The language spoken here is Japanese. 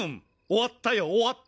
終わった。